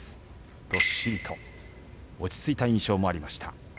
どっしりと落ち着いた印象もありました。